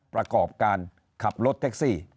ประกอบการขับรถแท็กซี่